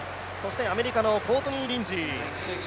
アメリカのコートニー・リンジー。